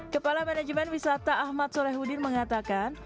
kepala manajemen wisata ahmad solehudin mengatakan